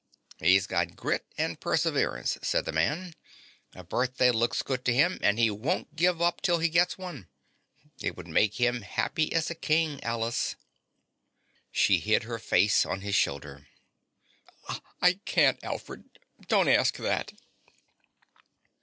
"He's got grit and perseverance," said the man. "A birthday looks good to him and he won't give up till he gets one. It would make him happy as a king, Alice." She hid her face on his shoulder. "I can't, Alfred. Don't ask that."